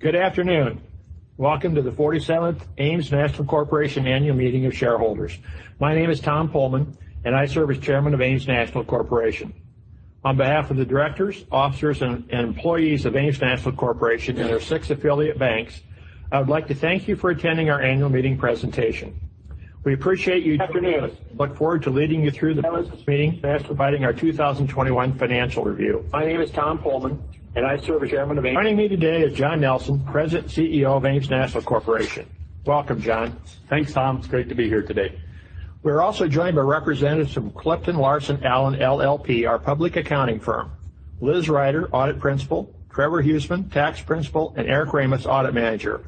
Good afternoon. Welcome to the 47th Ames National Corporation annual meeting of shareholders. My name is Tom Pohlman, and I serve as Chairman of Ames National Corporation. On behalf of the directors, officers, and employees of Ames National Corporation and their six affiliate banks, I would like to thank you for attending our annual meeting presentation. I look forward to leading you through the business meeting and providing our 2021 financial review. Joining me today is John Nelson, President & CEO of Ames National Corporation. Welcome, John. Thanks, Tom. It's great to be here today. We're also joined by representatives from CliftonLarsonAllen LLP, our public accounting firm. Liz Rider, audit principal, Trevor Huseman, tax principal, and Eric Ramus, audit manager.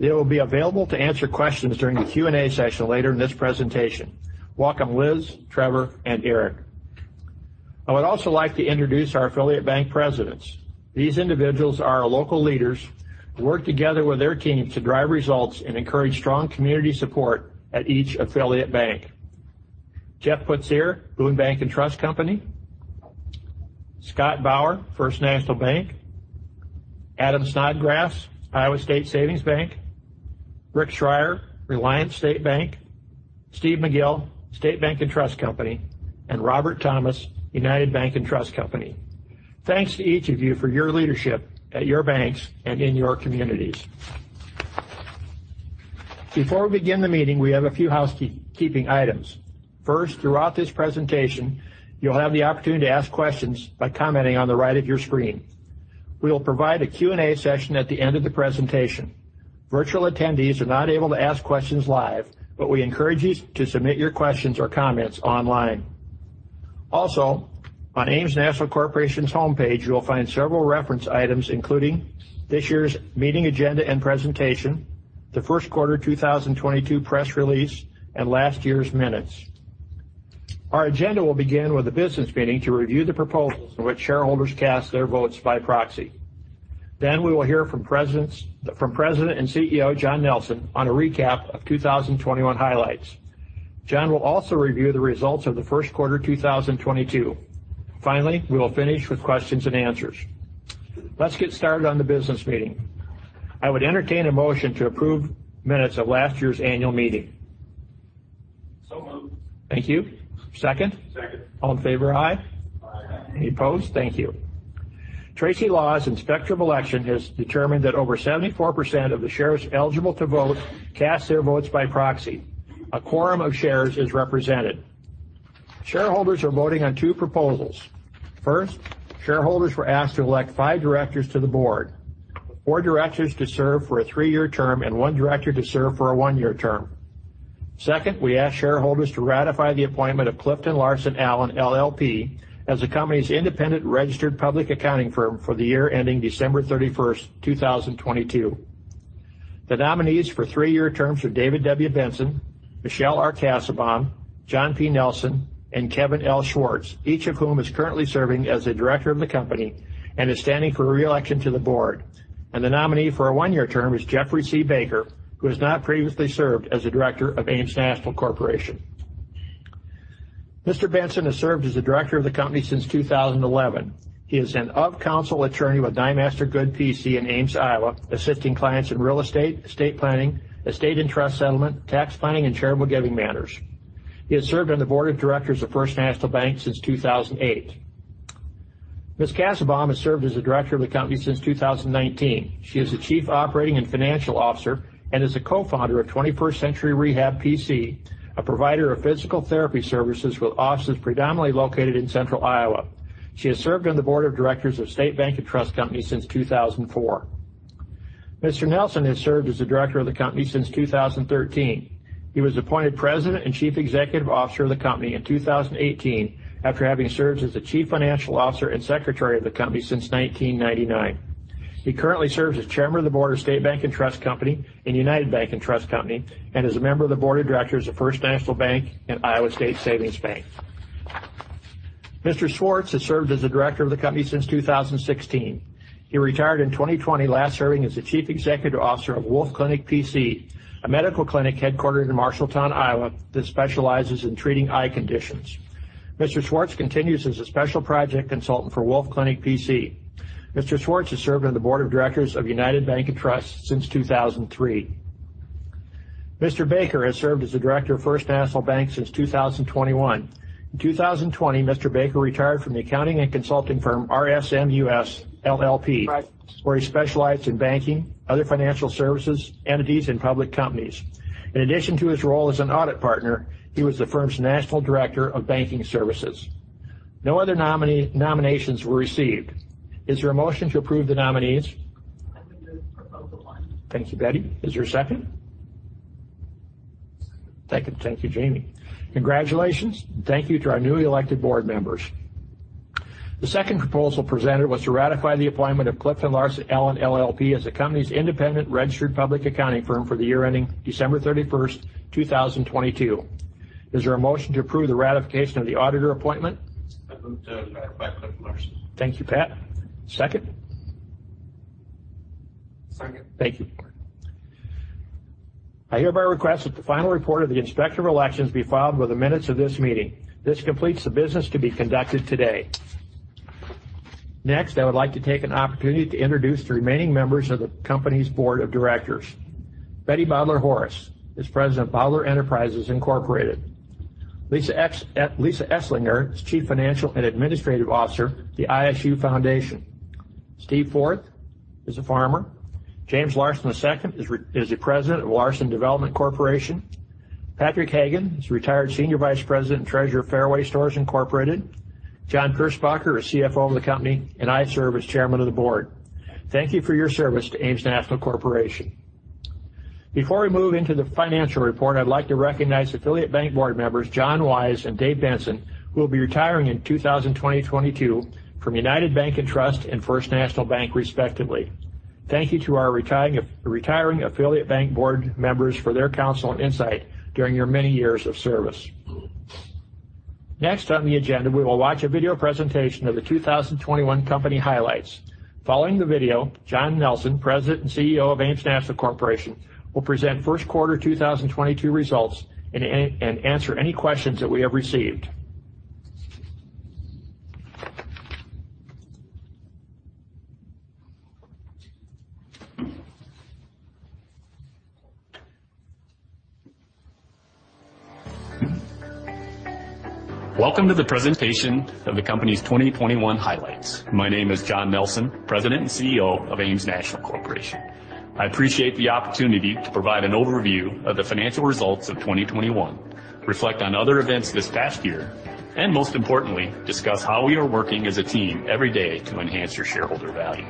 They will be available to answer questions during the Q&A session later in this presentation. Welcome, Liz, Trevor, and Eric. I would also like to introduce our affiliate bank presidents. These individuals are our local leaders who work together with their teams to drive results and encourage strong community support at each affiliate bank. Jeff Putzier, Boone Bank and Trust Company. Scott Bauer, First National Bank. Adam Snodgrass, Iowa State Savings Bank. Rick Schreier, Reliance State Bank. Steve McGill, State Bank and Trust Company, and Robert Thomas, United Bank and Trust Company. Thanks to each of you for your leadership at your banks and in your communities. Before we begin the meeting, we have a few housekeeping items. First, throughout this presentation, you'll have the opportunity to ask questions by commenting on the right of your screen. We will provide a Q&A session at the end of the presentation. Virtual attendees are not able to ask questions live, but we encourage you to submit your questions or comments online. Also, on Ames National Corporation's homepage, you will find several reference items, including this year's meeting agenda and presentation, the first quarter 2022 press release, and last year's minutes. Our agenda will begin with a business meeting to review the proposals in which shareholders cast their votes by proxy. We will hear from President and CEO John Nelson on a recap of 2021 highlights. John will also review the results of the first quarter 2022. Finally, we will finish with questions and answers. Let's get started on the business meeting. I would entertain a motion to approve minutes of last year's annual meeting. Moved. Thank you. Second? Second. All in favor, aye. Aye. Any opposed? Thank you. Tracy Laws, Inspector of Election, has determined that over 74% of the shares eligible to vote cast their votes by proxy. A quorum of shares is represented. Shareholders are voting on two proposals. First, shareholders were asked to elect five directors to the board. Four directors to serve for a three-year term and one director to serve for a one-year term. Second, we ask shareholders to ratify the appointment of CliftonLarsonAllen LLP as the company's independent registered public accounting firm for the year ending December 31, 2022. The nominees for three-year terms are David W. Benson, Michelle R. Cassabaum, John P. Nelson, and Kevin L. Swartz, each of whom is currently serving as a director of the company and is standing for reelection to the board. The nominee for a one-year term is Jeffrey C. Baker, who has not previously served as a director of Ames National Corporation. Mr. Benson has served as a director of the company since 2011. He is an of counsel attorney with Nyemaster Goode, P.C. in Ames, Iowa, assisting clients in real estate planning, estate and trust settlement, tax planning, and charitable giving matters. He has served on the board of directors of First National Bank since 2008. Ms. Cassabaum has served as a director of the company since 2019. She is the chief operating and financial officer and is a co-founder of Twenty-First Century Rehab, P.C. A provider of physical therapy services with offices predominantly located in central Iowa. She has served on the board of directors of State Bank and Trust Company since 2004. Mr. Nelson has served as the director of the company since 2013. He was appointed president and chief executive officer of the company in 2018 after having served as the chief financial officer and secretary of the company since 1999. He currently serves as chairman of the board of State Bank and Trust Company and United Bank and Trust Company, and is a member of the board of directors of First National Bank and Iowa State Savings Bank. Mr. Swartz has served as the director of the company since 2016. He retired in 2020, last serving as the chief executive officer of Wolfe Eye Clinic P.C., a medical clinic headquartered in Marshalltown, Iowa, that specializes in treating eye conditions. Mr. Swartz continues as a special project consultant for Wolfe Eye Clinic P.C. Mr. Swartz has served on the board of directors of United Bank and Trust since 2003. Mr. Baker has served as the director of First National Bank since 2021. In 2020, Mr. Baker retired from the accounting and consulting firm RSM US LLP, where he specialized in banking, other financial services, entities, and public companies. In addition to his role as an audit partner, he was the firm's national director of banking services. No other nominations were received. Is there a motion to approve the nominees? I would move to approve both of them. Thank you, Betty. Is there a second? Thank you. Thank you, Jamie. Congratulations, and thank you to our newly elected board members. The second proposal presented was to ratify the appointment of CliftonLarsonAllen LLP as the company's independent registered public accounting firm for the year ending December 31, 2022. Is there a motion to approve the ratification of the auditor appointment? I move to ratify CliftonLarsonAllen. Thank you, Pat. Second? Second. Thank you. I hereby request that the final report of the Inspector of Elections be filed with the minutes of this meeting. This completes the business to be conducted today. Next, I would like to take an opportunity to introduce the remaining members of the company's board of directors. Betty Baudler Horras is President of Baudler Enterprises, Incorporated. Lisa Eslinger is Chief Financial and Administrative Officer, the ISU Foundation. Steve Forth is a farmer. James Larson II is the President of Larson Development Corporation. Patrick Hagan is Retired Senior Vice President and Treasurer of Fareway Stores, Incorporated. John Pierschbacher is CFO of the company, and I serve as Chairman of the Board. Thank you for your service to Ames National Corporation. Before we move into the financial report, I'd like to recognize affiliate bank board members, John Wise and Dave Benson, who will be retiring in 2022 from United Bank and Trust and First National Bank, respectively. Thank you to our retiring affiliate bank board members for their counsel and insight during your many years of service. Next on the agenda, we will watch a video presentation of the 2021 company highlights. Following the video, John Nelson, President and CEO of Ames National Corporation, will present first quarter 2022 results and answer any questions that we have received. Welcome to the presentation of the company's 2021 highlights. My name is John Nelson, President and CEO of Ames National Corporation. I appreciate the opportunity to provide an overview of the financial results of 2021, reflect on other events this past year, and most importantly, discuss how we are working as a team every day to enhance your shareholder value.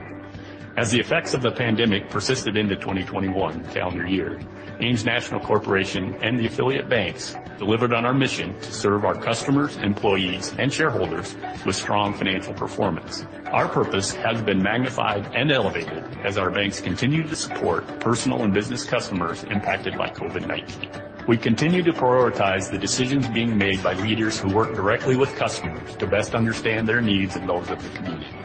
As the effects of the pandemic persisted into 2021 calendar year, Ames National Corporation and the affiliate banks delivered on our mission to serve our customers, employees, and shareholders with strong financial performance. Our purpose has been magnified and elevated as our banks continue to support personal and business customers impacted by COVID-19. We continue to prioritize the decisions being made by leaders who work directly with customers to best understand their needs and those of the community.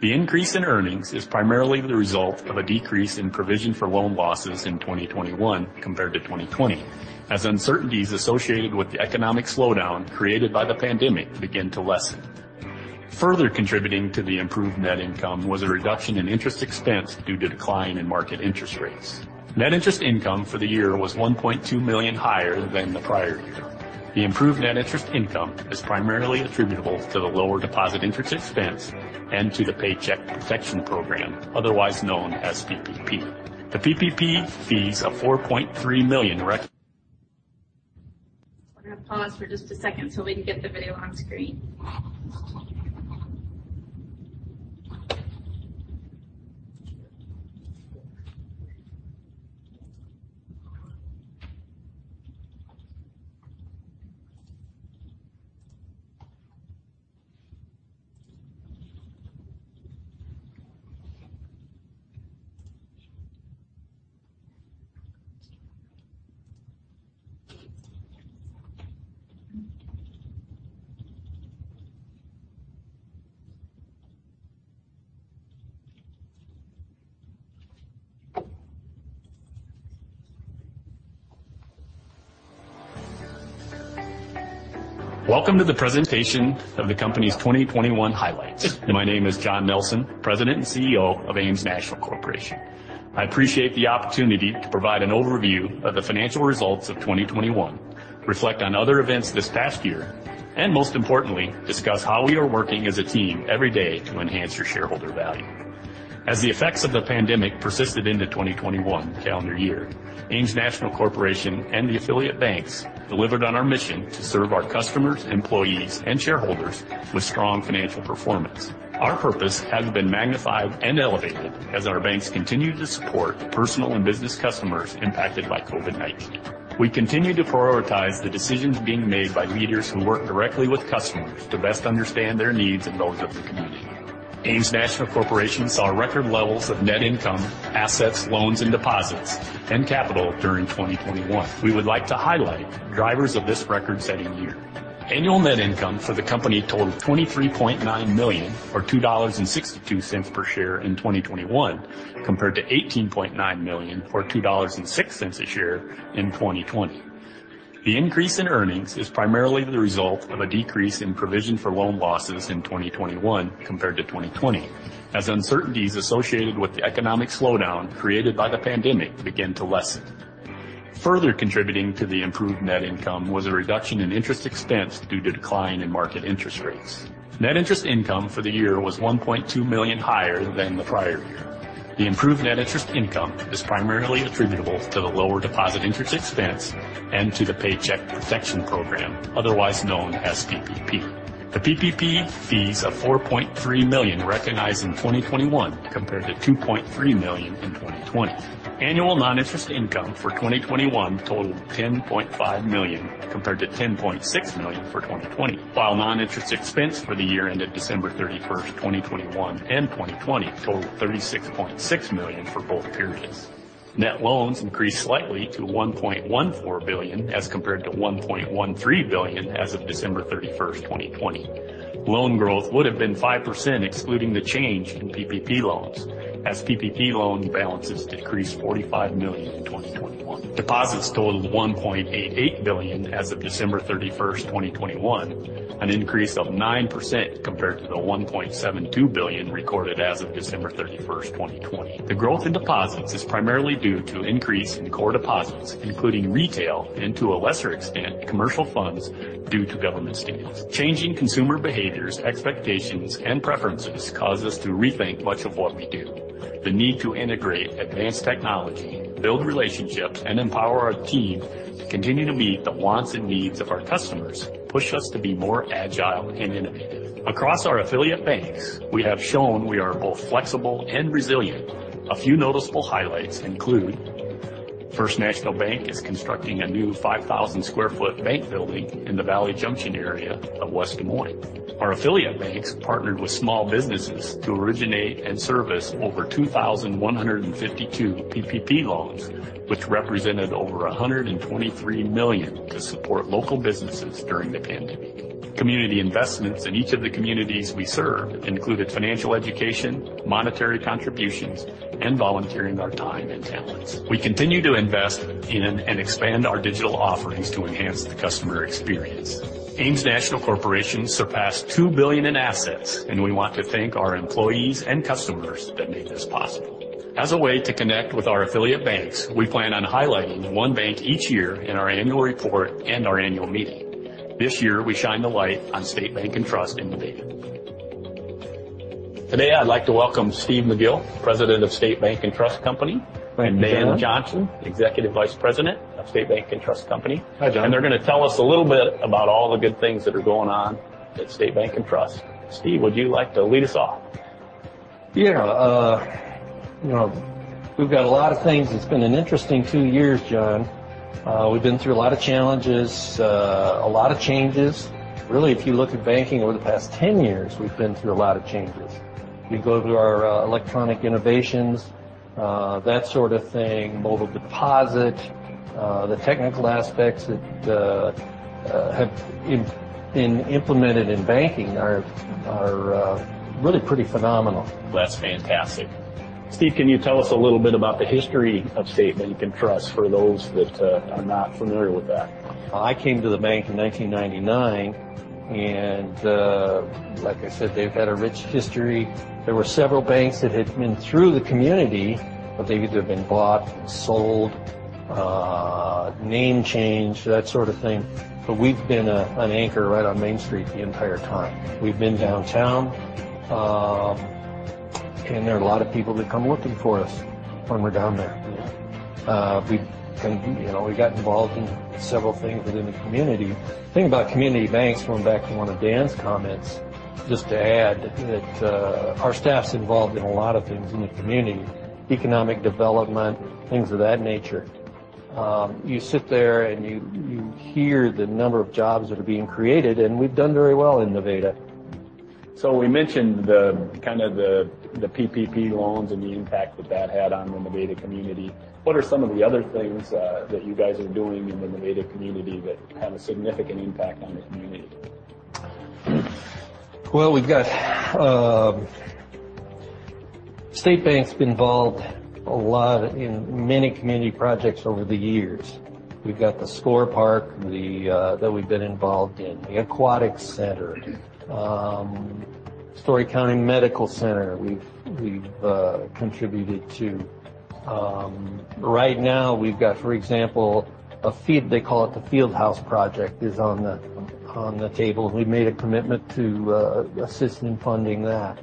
The increase in earnings is primarily the result of a decrease in provision for loan losses in 2021 compared to 2020, as uncertainties associated with the economic slowdown created by the pandemic begin to lessen. Further contributing to the improved net income was a reduction in interest expense due to decline in market interest rates. Net interest income for the year was $1.2 million higher than the prior year. The improved net interest income is primarily attributable to the lower deposit interest expense and to the Paycheck Protection Program, otherwise known as PPP. The PPP fees of million recognized in 2021 compared to $2.3 million in 2020. Annual non-interest income for 2021 totaled $10.5 million, compared to $10.6 million for 2020. Total non-interest expense for the year ended December 31st, 2021 and 2020 totaled $36.6 million for both periods. Net loans increased slightly to $1.14 billion as compared to $1.13 billion as of December 31st, 2020. Loan growth would have been 5% excluding the change in PPP loans, as PPP loan balances decreased $45 million in 2021. Deposits totaled $1.88 billion as of December 31st, 2021, an increase of 9% compared to the $1.72 billion recorded as of December 31st, 2020. The growth in deposits is primarily due to an increase in core deposits, including retail and to a lesser extent, commercial funds due to government stimulus. Changing consumer behaviors, expectations, and preferences cause us to rethink much of what we do. The need to integrate advanced technology, build relationships, and empower our team to continue to meet the wants and needs of our customers push us to be more agile and innovative. Across our affiliate banks, we have shown we are both flexible and resilient. A few noticeable highlights include First National Bank is constructing a new 5,000 sq ft bank building in the Valley Junction area of West Des Moines. Our affiliate banks partnered with small businesses to originate and service over 2,152 PPP loans, which represented over $123 million to support local businesses during the pandemic. Community investments in each of the communities we serve included financial education, monetary contributions, and volunteering our time and talents. We continue to invest in and expand our digital offerings to enhance the customer experience. Ames National Corporation surpassed $2 billion in assets, and we want to thank our employees and customers that made this possible. As a way to connect with our affiliate banks, we plan on highlighting one bank each year in our annual report and our annual meeting. This year, we shine the light on State Bank & Trust Co. in Nevada. Today, I'd like to welcome Steve McGill, President of State Bank & Trust Co. Thank you, John. Dan Johnson, Executive Vice President of State Bank & Trust Co. Hi, John. They're gonna tell us a little bit about all the good things that are going on at State Bank & Trust. Steve, would you like to lead us off? Yeah. You know, we've got a lot of things. It's been an interesting two years, John. We've been through a lot of challenges, a lot of changes. Really, if you look at banking over the past 10 years, we've been through a lot of changes. You go to our electronic innovations, that sort of thing, mobile deposit. The technical aspects that have been implemented in banking are really pretty phenomenal. That's fantastic. Steve, can you tell us a little bit about the history of State Bank and Trust for those that are not familiar with that? I came to the bank in 1999, and, like I said, they've had a rich history. There were several banks that had been through the community, but they've either been bought, sold, name changed, that sort of thing. We've been an anchor right on Main Street the entire time. We've been downtown, and there are a lot of people that come looking for us when we're down there. We, you know, we got involved in several things within the community. The thing about community banks, going back to one of Dan's comments, just to add that, our staff's involved in a lot of things in the community. Economic development, things of that nature. You sit there and you hear the number of jobs that are being created, and we've done very well in Nevada. We mentioned the PPP loans and the impact that that had on the Nevada community. What are some of the other things that you guys are doing in the Nevada community that have a significant impact on the community? Well, we've got State Bank's been involved a lot in many community projects over the years. We've got the SCORE Park, the, that we've been involved in. The Aquatic Center, Story County Medical Center, we've contributed to. Right now we've got, for example, a field, they call it the Field House project is on the table. We made a commitment to assist in funding that.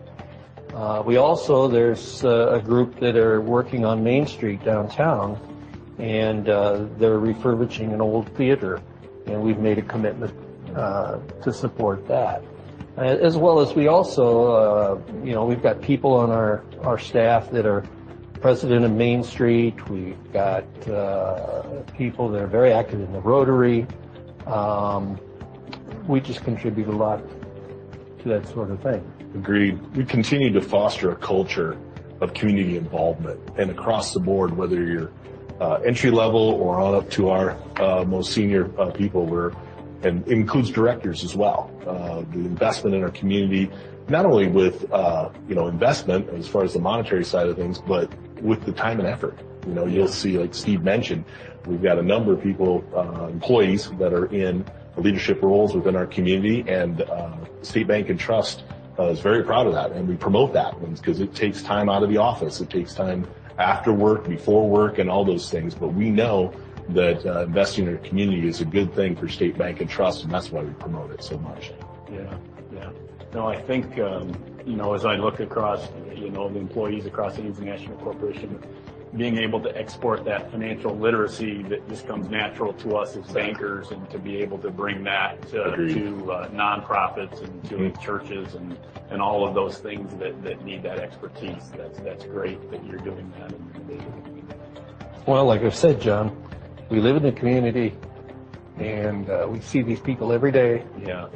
We also, there's a group that are working on Main Street downtown, and they're refurbishing an old theater, and we've made a commitment to support that. As well as we also, you know, we've got people on our staff that are president of Main Street. We've got people that are very active in the Rotary. We just contribute a lot to that sort of thing. Agreed. We continue to foster a culture of community involvement. Across the board, whether you're entry-level or on up to our most senior people, and includes directors as well. The investment in our community, not only with you know, investment as far as the monetary side of things, but with the time and effort. You know, you'll see, like Steve mentioned, we've got a number of people, employees that are in leadership roles within our community. State Bank & Trust is very proud of that, and we promote that because it takes time out of the office. It takes time after work, before work, and all those things. We know that investing in our community is a good thing for State Bank & Trust, and that's why we promote it so much. Yeah. No, I think, you know, as I look across, you know, the employees across the Ames National Corporation, being able to export that financial literacy that just comes natural to us as bankers and to be able to bring that to- Agreed to nonprofits and to churches and all of those things that need that expertise, that's great that you're doing that in the community. Well, like I said, John, we live in the community. We see these people every day. Yeah.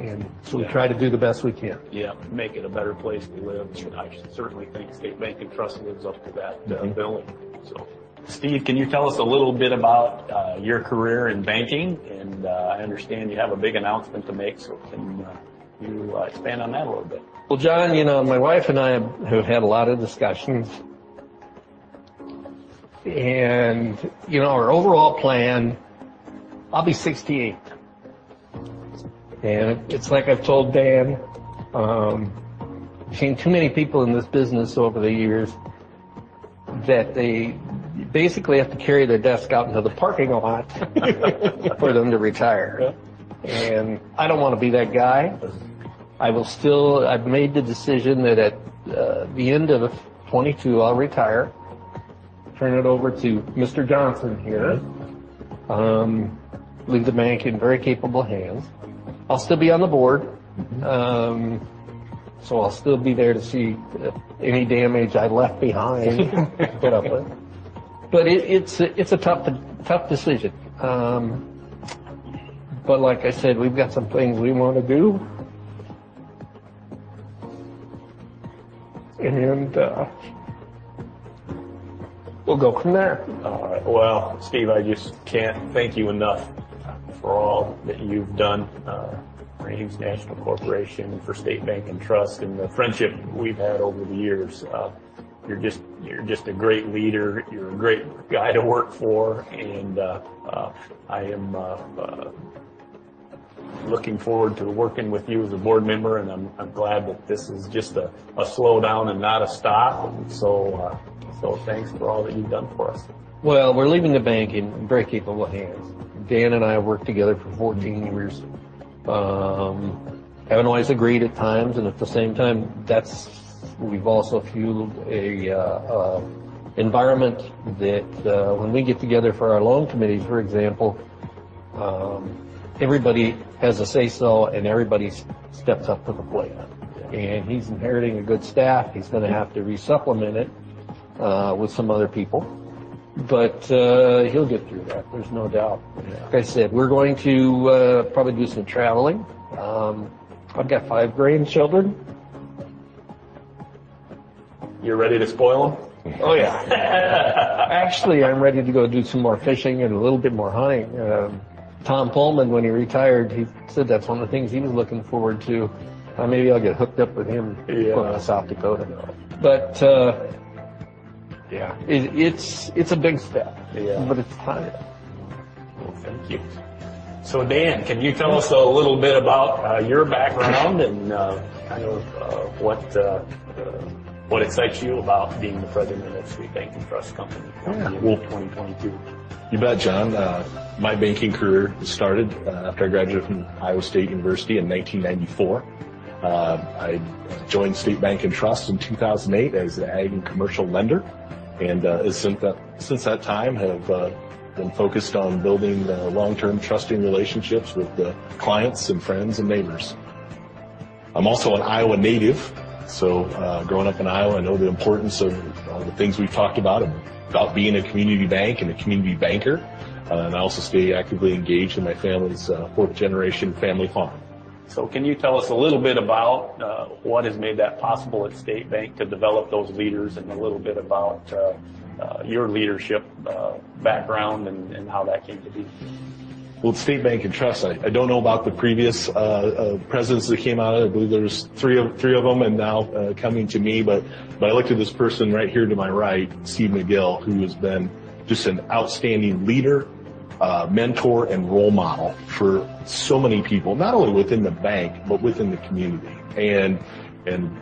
We try to do the best we can. Yeah. Make it a better place to live. I certainly think State Bank & Trust lives up to that, billing. Mm-hmm. Steve, can you tell us a little bit about your career in banking? I understand you have a big announcement to make, so can you expand on that a little bit? Well, John, you know, my wife and I have had a lot of discussions. You know, our overall plan, I'll be 68. It's like I've told Dan, I've seen too many people in this business over the years that they basically have to carry their desk out into the parking lot for them to retire. Yeah. I don't wanna be that guy. Yes. I've made the decision that at the end of 2022, I'll retire, turn it over to Mr. Johnson here. Yes. Leave the bank in very capable hands. I'll still be on the board. I'll still be there to see any damage I left behind. It's a tough decision. Like I said, we've got some things we wanna do. We'll go from there. All right. Well, Steve, I just can't thank you enough for all that you've done for Ames National Corporation, for State Bank & Trust, and the friendship we've had over the years. You're just a great leader. You're a great guy to work for and I am looking forward to working with you as a board member, and I'm glad that this is just a slowdown and not a stop. Thanks for all that you've done for us. Well, we're leaving the bank in very capable hands. Dan and I have worked together for 14 years. Haven't always agreed at times, and at the same time, we've also fueled an environment that, when we get together for our loan committee, for example, everybody has a say so and everybody steps up to the plate. Yeah. He's inheriting a good staff. He's gonna have to resupplement it with some other people, but he'll get through that. There's no doubt. Yeah. Like I said, we're going to probably do some traveling. I've got five grandchildren. You're ready to spoil them? Oh, yeah. Actually, I'm ready to go do some more fishing and a little bit more hunting. Tom Pohlman, when he retired, he said that's one of the things he was looking forward to. Maybe I'll get hooked up with him. Yeah Going to South Dakota. Yeah. It's a big step. Yeah. It's time. Well, thank you. Dan, can you tell us a little bit about your background and kind of what excites you about being the president of State Bank & Trust Company? Oh, yeah.... in the year 2022? You bet, John. My banking career started after I graduated from Iowa State University in 1994. I joined State Bank & Trust in 2008 as an ag and commercial lender. Since that time, I have been focused on building long-term trusting relationships with clients and friends and neighbors. I'm also an Iowa native, so growing up in Iowa, I know the importance of all the things we've talked about being a community bank and a community banker. I also stay actively engaged in my family's fourth generation family farm. Can you tell us a little bit about what has made that possible at State Bank to develop those leaders and a little bit about your leadership background and how that came to be? Well, at State Bank & Trust Co., I don't know about the previous presidents that came out of it. I believe there's three of them and now coming to me, but when I look to this person right here to my right, Steve McGill, who has been just an outstanding leader, mentor, and role model for so many people, not only within the bank but within the community.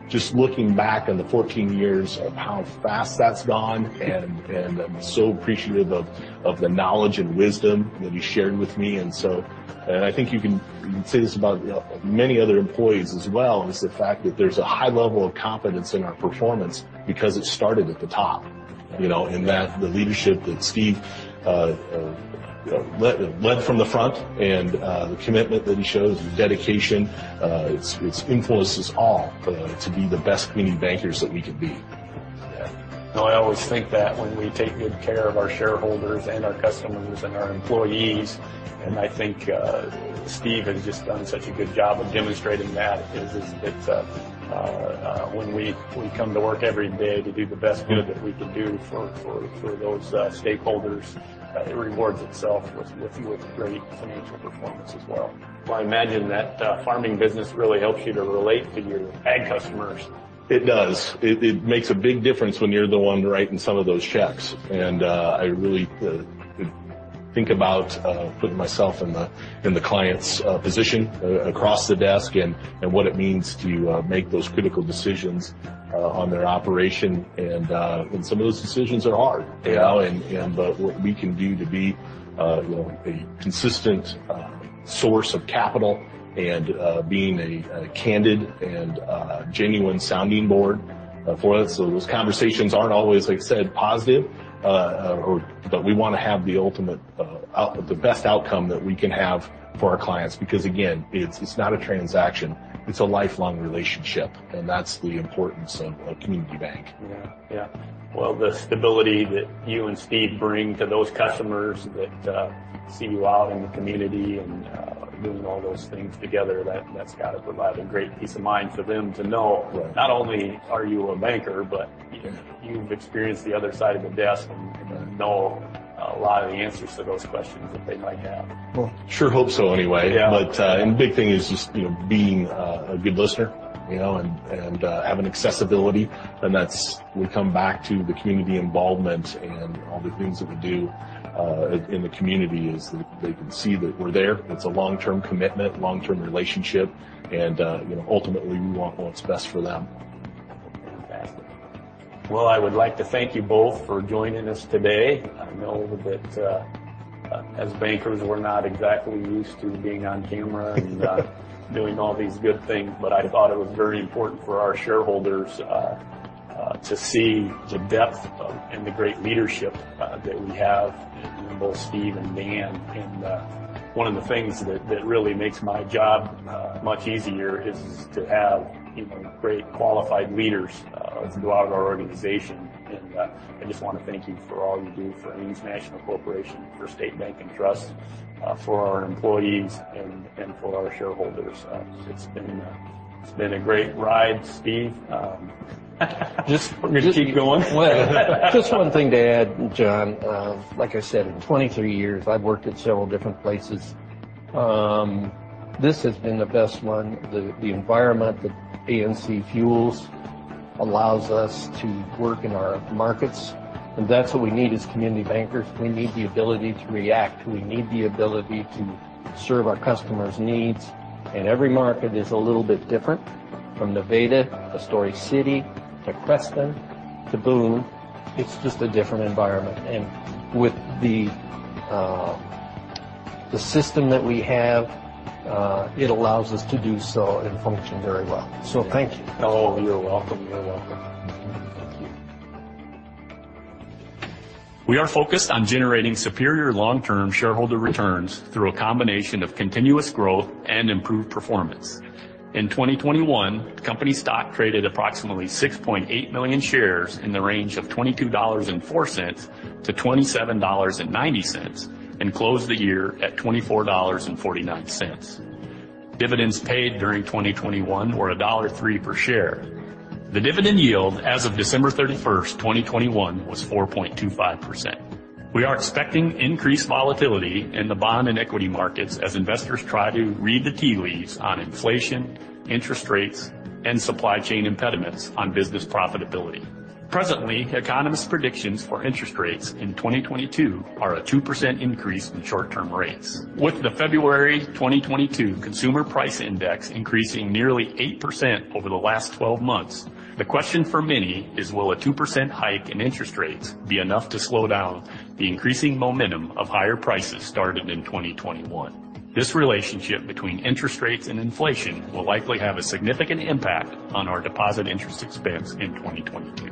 Just looking back on the 14 years of how fast that's gone, and I'm so appreciative of the knowledge and wisdom that he shared with me. I think you can say this about many other employees as well, is the fact that there's a high level of confidence in our performance because it started at the top. Mm-hmm. You know, in that the leadership that Steve you know led from the front and the commitment that he shows, the dedication, it's influenced us all to be the best community bankers that we can be. Yeah. No, I always think that when we take good care of our shareholders and our customers and our employees, and I think, Steve has just done such a good job of demonstrating that. It's when we come to work every day to do the best good that we can do for those stakeholders, it rewards itself with great financial performance as well. Well, I imagine that farming business really helps you to relate to your ag customers. It does. It makes a big difference when you're the one writing some of those checks. I really think about putting myself in the client's position across the desk and what it means to make those critical decisions on their operation. Some of those decisions are hard. Yeah. You know? What we can do to be, you know, a consistent source of capital and being a candid and genuine sounding board. For us, those conversations aren't always, like I said, positive, but we wanna have the best outcome that we can have for our clients because again, it's not a transaction, it's a lifelong relationship, and that's the importance of a community bank. Yeah. Yeah. Well, the stability that you and Steve bring to those customers that see you out in the community and doing all those things together, that's gotta provide a great peace of mind for them to know. Right. Not only are you a banker, but you've experienced the other side of the desk and know a lot of the answers to those questions that they might have. Well, sure hope so anyway. Yeah. The big thing is just, you know, being a good listener, you know, and having accessibility, and that's. We come back to the community involvement and all the things that we do in the community is that they can see that we're there. It's a long-term commitment, long-term relationship, and, you know, ultimately, we want what's best for them. Fantastic. Well, I would like to thank you both for joining us today. I know that as bankers, we're not exactly used to being on camera and doing all these good things, but I thought it was very important for our shareholders to see the depth of and the great leadership that we have in both Steve and Dan. One of the things that really makes my job much easier is to have, you know, great qualified leaders throughout our organization. I just wanna thank you for all you do for Ames National Corporation, for State Bank and Trust, for our employees and for our shareholders. It's been a great ride, Steve. Just- You keep going. Just one thing to add, John. Like I said, in 23 years, I've worked at several different places. This has been the best one. The environment that ANC fuels allows us to work in our markets, and that's what we need as community bankers. We need the ability to react. We need the ability to serve our customers' needs. Every market is a little bit different. From Nevada, to Story City, to Creston, to Boone, it's just a different environment. With the system that we have, it allows us to do so and function very well. Thank you. Oh, you're welcome. Thank you. We are focused on generating superior long-term shareholder returns through a combination of continuous growth and improved performance. In 2021, company stock traded approximately 6.8 million shares in the range of $22.04 to $27.90, and closed the year at $24.49. Dividends paid during 2021 were $1.03 per share. The dividend yield as of December 31st, 2021 was 4.25%. We are expecting increased volatility in the bond and equity markets as investors try to read the tea leaves on inflation, interest rates, and supply chain impediments on business profitability. Presently, economists' predictions for interest rates in 2022 are a 2% increase in short-term rates. With the February 2022 consumer price index increasing nearly 8% over the last 12 months, the question for many is will a 2% hike in interest rates be enough to slow down the increasing momentum of higher prices started in 2021? This relationship between interest rates and inflation will likely have a significant impact on our deposit interest expense in 2022.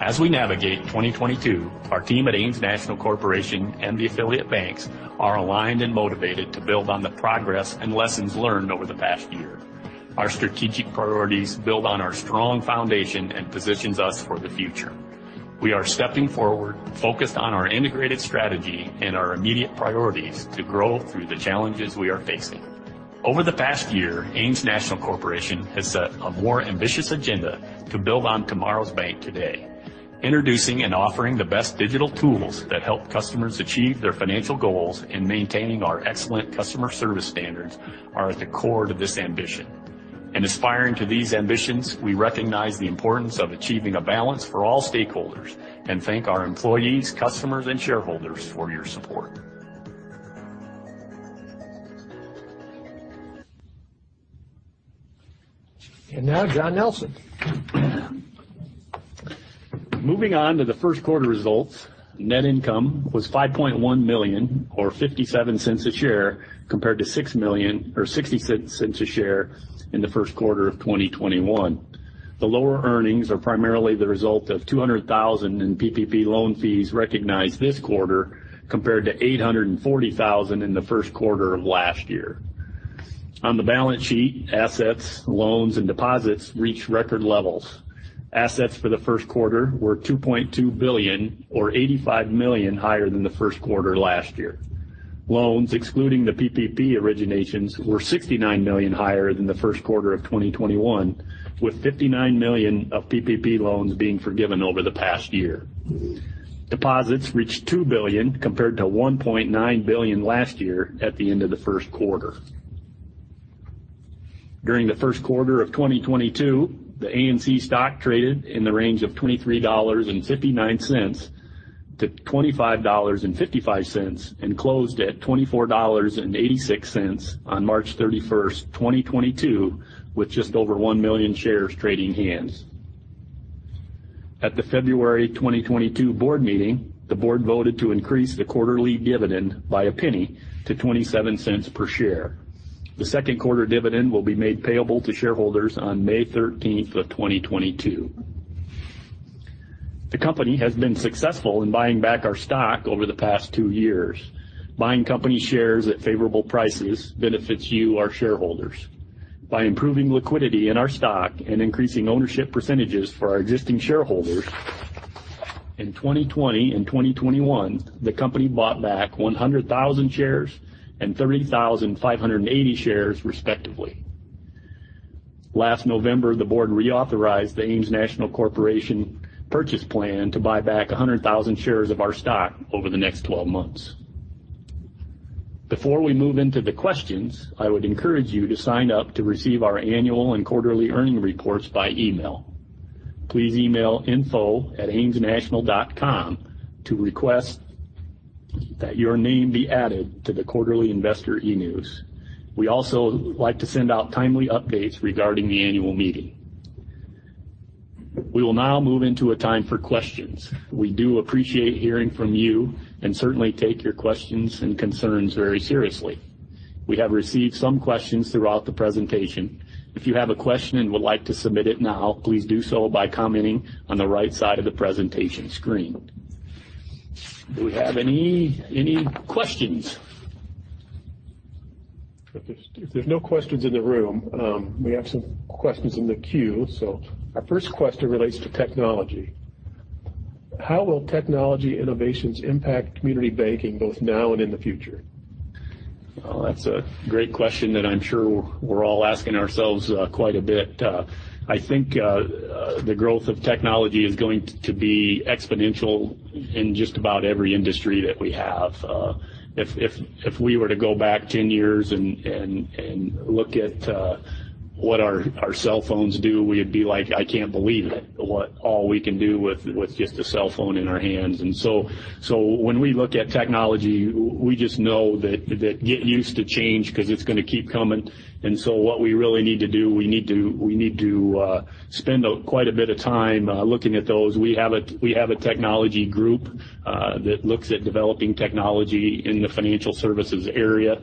As we navigate 2022, our team at Ames National Corporation and the affiliate banks are aligned and motivated to build on the progress and lessons learned over the past year. Our strategic priorities build on our strong foundation and position us for the future. We are stepping forward, focused on our integrated strategy and our immediate priorities to grow through the challenges we are facing. Over the past year, Ames National Corporation has set a more ambitious agenda to build on tomorrow's bank today. Introducing and offering the best digital tools that help customers achieve their financial goals and maintaining our excellent customer service standards are at the core to this ambition. In aspiring to these ambitions, we recognize the importance of achieving a balance for all stakeholders and thank our employees, customers, and shareholders for your support. Now, John Nelson. Moving on to the first quarter results. Net income was $5.1 million or $0.57 a share, compared to $6 million or $0.66 a share in the first quarter of 2021. The lower earnings are primarily the result of $200,000 in PPP loan fees recognized this quarter, compared to $840,000 in the first quarter of last year. On the balance sheet, assets, loans, and deposits reached record levels. Assets for the first quarter were $2.2 billion or $85 million higher than the first quarter last year. Loans, excluding the PPP originations, were $69 million higher than the first quarter of 2021, with $59 million of PPP loans being forgiven over the past year. Deposits reached $2 billion compared to $1.9 billion last year at the end of the first quarter. During the first quarter of 2022, the ANC stock traded in the range of $23.59-$25.55, and closed at $24.86 on March 31, 2022, with just over 1 million shares trading hands. At the February 2022 board meeting, the board voted to increase the quarterly dividend by a penny to $0.27 per share. The second quarter dividend will be made payable to shareholders on May 13, 2022. The company has been successful in buying back our stock over the past two years. Buying company shares at favorable prices benefits you, our shareholders. By improving liquidity in our stock and increasing ownership percentages for our existing shareholders, in 2020 and 2021, the company bought back 100,000 shares and 30,580 shares, respectively. Last November, the board reauthorized the Ames National Corporation purchase plan to buy back 100,000 shares of our stock over the next 12 months. Before we move into the questions, I would encourage you to sign up to receive our annual and quarterly earnings reports by email. Please email info@amesnational.com to request that your name be added to the quarterly investor e-news. We also like to send out timely updates regarding the annual meeting. We will now move into a time for questions. We do appreciate hearing from you and certainly take your questions and concerns very seriously. We have received some questions throughout the presentation. If you have a question and would like to submit it now, please do so by commenting on the right side of the presentation screen. Do we have any questions? If there's no questions in the room, we have some questions in the queue. Our first question relates to technology. How will technology innovations impact community banking, both now and in the future? Well, that's a great question that I'm sure we're all asking ourselves, quite a bit. I think the growth of technology is going to be exponential in just about every industry that we have. If we were to go back 10 years and look at what our cell phones do, we'd be like, "I can't believe it," what all we can do with just a cell phone in our hands. When we look at technology, we just know that we get used to change 'cause it's gonna keep coming. What we really need to do, we need to spend quite a bit of time looking at those. We have a technology group that looks at developing technology in the financial services area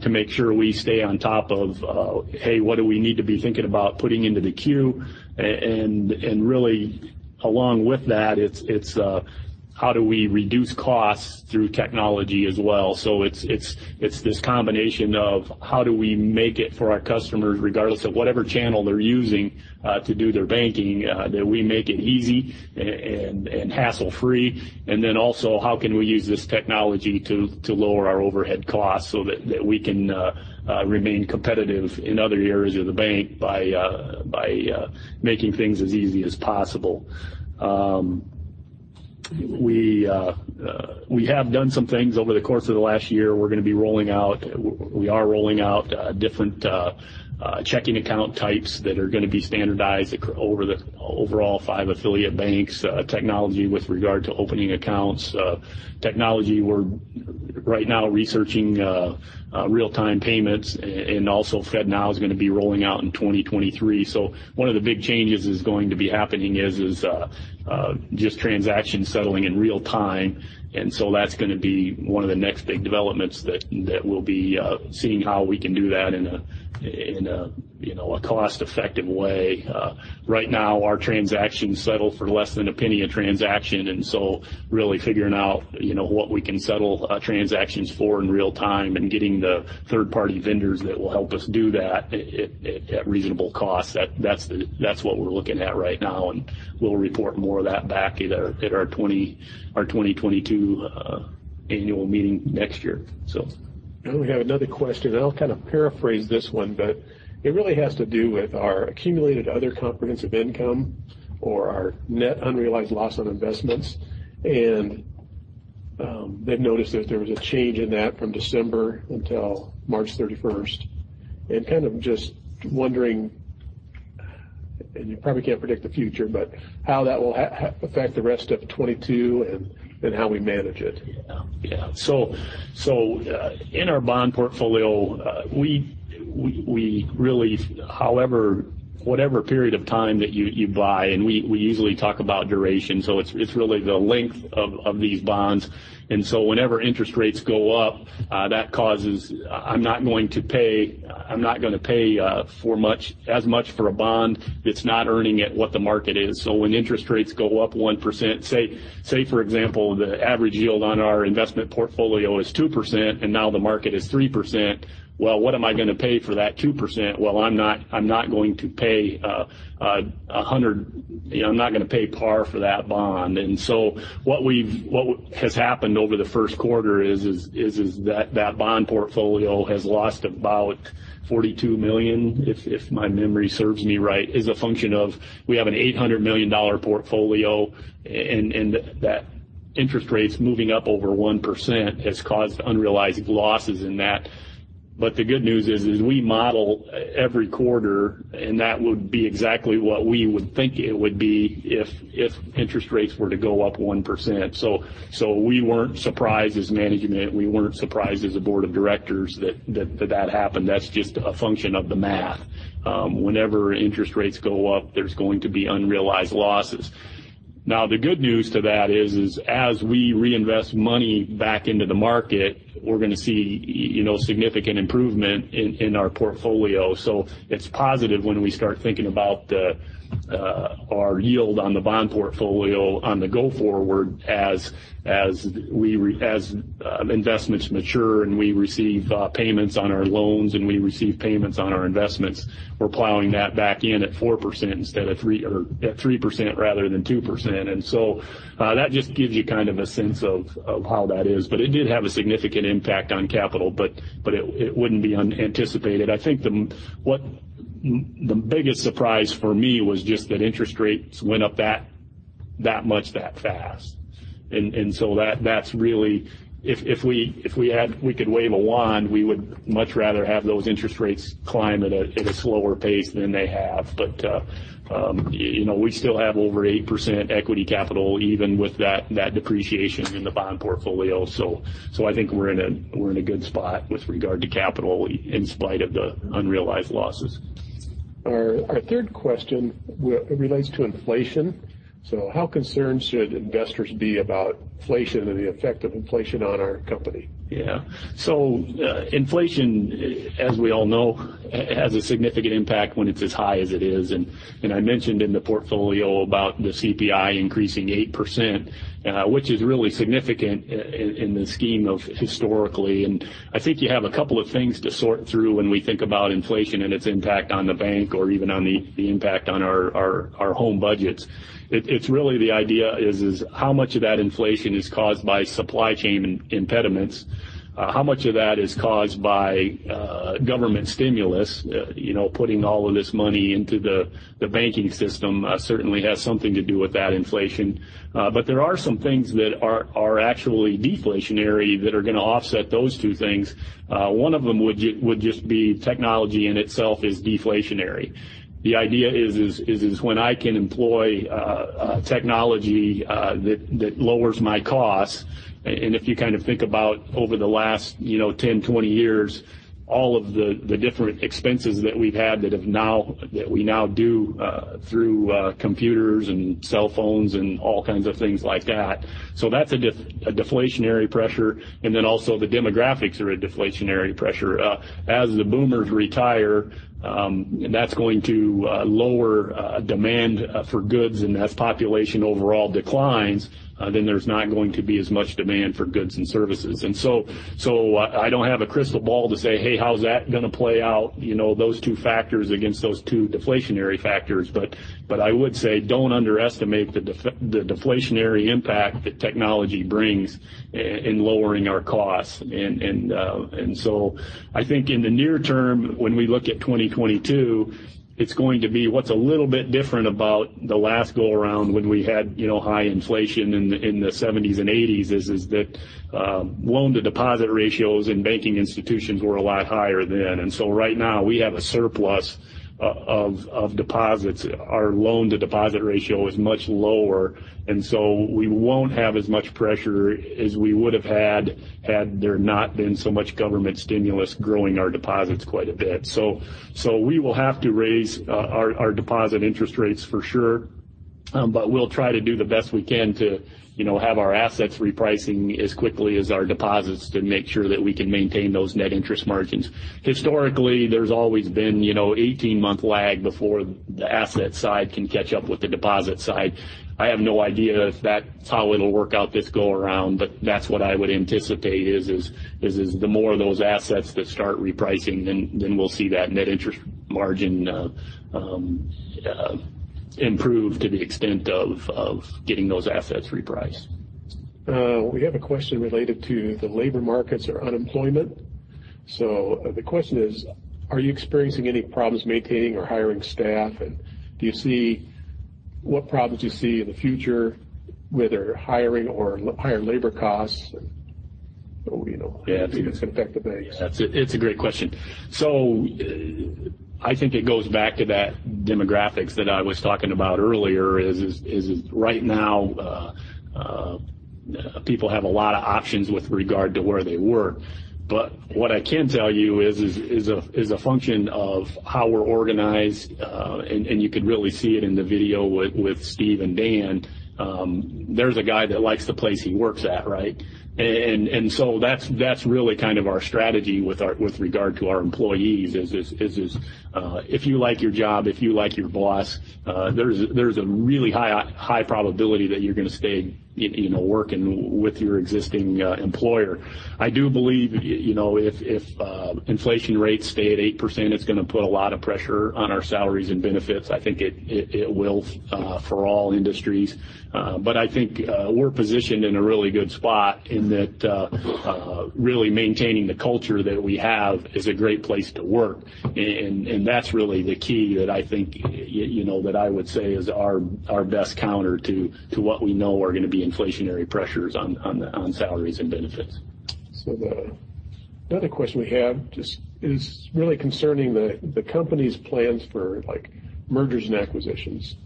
to make sure we stay on top of hey, what do we need to be thinking about putting into the queue? Really along with that, it's how do we reduce costs through technology as well. It's this combination of how do we make it for our customers, regardless of whatever channel they're using to do their banking, that we make it easy and hassle free. How can we use this technology to lower our overhead costs so that we can remain competitive in other areas of the bank by making things as easy as possible. We have done some things over the course of the last year. We are rolling out different checking account types that are gonna be standardized over the overall five affiliate banks, technology with regard to opening accounts. Technology, we're right now researching real-time payments and also FedNow is gonna be rolling out in 2023. One of the big changes is going to be happening is just transactions settling in real time. That's gonna be one of the next big developments that we'll be seeing how we can do that in a you know a cost-effective way. Right now, our transactions settle for less than $0.01 a transaction really figuring out, you know, what we can settle transactions for in real time and getting the third-party vendors that will help us do that at reasonable cost. That's what we're looking at right now, and we'll report more of that back at our 2022 annual meeting next year. Now we have another question, and I'll kind of paraphrase this one, but it really has to do with our Accumulated Other Comprehensive Income or our net unrealized loss on investments. They've noticed that there was a change in that from December until March thirty-first. Kind of just wondering, and you probably can't predict the future, but how that will affect the rest of 2022 and how we manage it. In our bond portfolio, we really whatever period of time that you buy, and we usually talk about duration. It's really the length of these bonds. Whenever interest rates go up, that causes I'm not gonna pay as much for a bond that's not earning at what the market is. When interest rates go up 1%, say, for example, the average yield on our investment portfolio is 2%, and now the market is 3%. Well, what am I gonna pay for that 2%? Well, I'm not going to pay 100. You know, I'm not gonna pay par for that bond. What has happened over the first quarter is that the bond portfolio has lost about $42 million, if my memory serves me right, as a function of we have an $800 million portfolio and that interest rates moving up over 1% has caused unrealized losses in that. The good news is we model every quarter, and that would be exactly what we would think it would be if interest rates were to go up 1%. We weren't surprised as management, we weren't surprised as a board of directors that happened. That's just a function of the math. Whenever interest rates go up, there's going to be unrealized losses. Now, the good news to that is as we reinvest money back into the market, we're gonna see, you know, significant improvement in our portfolio. It's positive when we start thinking about our yield on the bond portfolio on the go forward as investments mature and we receive payments on our loans and we receive payments on our investments, we're plowing that back in at 4% instead of 3%. At 3% rather than 2%. That just gives you kind of a sense of how that is. It did have a significant impact on capital, but it wouldn't be unanticipated. I think the biggest surprise for me was just that interest rates went up that much, that fast. That's really. If we could wave a wand, we would much rather have those interest rates climb at a slower pace than they have. You know, we still have over 8% equity capital, even with that depreciation in the bond portfolio. I think we're in a good spot with regard to capital in spite of the unrealized losses. Our third question relates to inflation. How concerned should investors be about inflation and the effect of inflation on our company? Yeah. Inflation, as we all know, has a significant impact when it's as high as it is. I mentioned in the portfolio about the CPI increasing 8%, which is really significant in the scheme of historically. I think you have a couple of things to sort through when we think about inflation and its impact on the bank or even on the impact on our home budgets. It's really the idea is how much of that inflation is caused by supply chain impediments. How much of that is caused by government stimulus. You know, putting all of this money into the banking system certainly has something to do with that inflation. There are some things that are actually deflationary that are gonna offset those two things. One of them would just be technology in itself is deflationary. The idea is when I can employ technology that lowers my costs. If you kind of think about over the last, you know, 10, 20 years, all of the different expenses that we've had that we now do through computers and cell phones and all kinds of things like that. That's a deflationary pressure. The demographics are a deflationary pressure. As the boomers retire, that's going to lower demand for goods. As population overall declines, there's not going to be as much demand for goods and services. I don't have a crystal ball to say, "Hey, how's that gonna play out?" You know, those two factors against those two deflationary factors. I would say don't underestimate the deflationary impact that technology brings in lowering our costs. I think in the near term, when we look at 2022, it's going to be what's a little bit different about the last go around when we had, you know, high inflation in the seventies and eighties is that loan to deposit ratios in banking institutions were a lot higher then. Right now we have a surplus of deposits. Our loan to deposit ratio is much lower, and so we won't have as much pressure as we would have had there not been so much government stimulus growing our deposits quite a bit. We will have to raise our deposit interest rates for sure. We'll try to do the best we can to, you know, have our assets repricing as quickly as our deposits to make sure that we can maintain those net interest margins. Historically, there's always been, you know, 18-month lag before the asset side can catch up with the deposit side. I have no idea if that's how it'll work out this go around, but that's what I would anticipate is the more of those assets that start repricing, then we'll see that net interest margin improve to the extent of getting those assets repriced. We have a question related to the labor markets or unemployment. The question is: are you experiencing any problems maintaining or hiring staff? Do you see what problems you see in the future, whether hiring or higher labor costs? You know, do you think it's gonna affect the banks? Yeah, it's a great question. I think it goes back to that demographics that I was talking about earlier is right now people have a lot of options with regard to where they work. What I can tell you is a function of how we're organized and you could really see it in the video with Steve and Dan. There's a guy that likes the place he works at, right? That's really kind of our strategy with regard to our employees is if you like your job, if you like your boss, there's a really high probability that you're gonna stay, you know, working with your existing employer. I do believe, if inflation rates stay at 8%, it's gonna put a lot of pressure on our salaries and benefits. I think it will for all industries. I think we're positioned in a really good spot in that really maintaining the culture that we have is a great place to work. That's really the key that I think, you know, that I would say is our best counter to what we know are gonna be inflationary pressures on the salaries and benefits. The other question we have just is really concerning the company's plans for, like, mergers and acquisitions.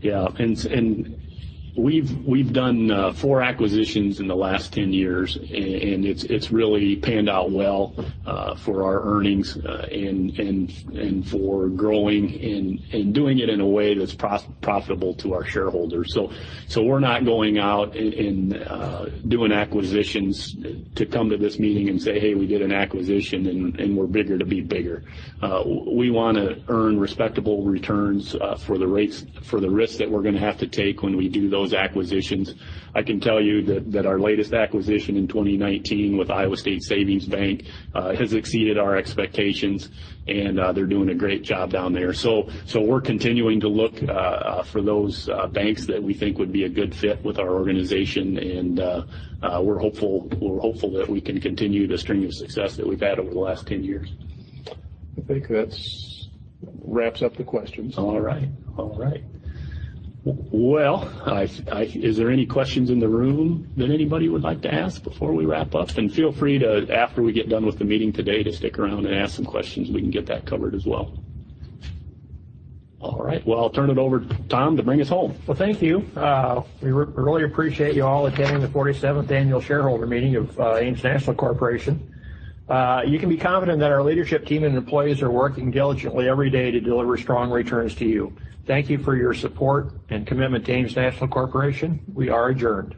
Yeah. We've done four acquisitions in the last 10 years, and it's really panned out well for our earnings and for growing and doing it in a way that's profitable to our shareholders. We're not going out and doing acquisitions to come to this meeting and say, "Hey, we did an acquisition, and we're bigger to be bigger." We wanna earn respectable returns for the risks that we're gonna have to take when we do those acquisitions. I can tell you that our latest acquisition in 2019 with Iowa State Savings Bank has exceeded our expectations, and they're doing a great job down there. We're continuing to look for those banks that we think would be a good fit with our organization. We're hopeful that we can continue the string of success that we've had over the last 10 years. I think that wraps up the questions. All right. Well, is there any questions in the room that anybody would like to ask before we wrap up? Feel free to, after we get done with the meeting today, to stick around and ask some questions. We can get that covered as well. All right. Well, I'll turn it over to Tom to bring us home. Well, thank you. We really appreciate you all attending the forty-seventh annual shareholder meeting of Ames National Corporation. You can be confident that our leadership team and employees are working diligently every day to deliver strong returns to you. Thank you for your support and commitment to Ames National Corporation. We are adjourned.